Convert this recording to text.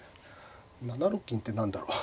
７六銀って何だろう？